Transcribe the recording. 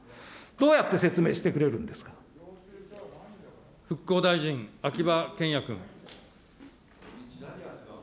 どうやって説明してくれるんです復興大臣、秋葉賢也君。